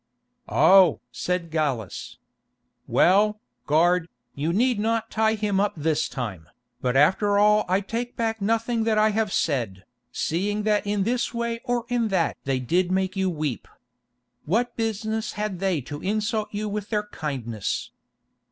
"Oh!" said Gallus. "Well, guard, you need not tie him up this time, but after all I take back nothing that I have said, seeing that in this way or in that they did make you weep. What business had they to insult you with their kindness?